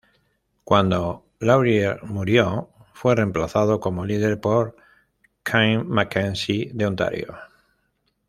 Cuando Laurier murió, fue reemplazado como líder por King Mackenzie de Ontario.